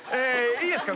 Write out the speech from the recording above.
いいですか？